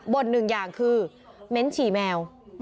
่นหนึ่งอย่างคือเม้นฉี่แมว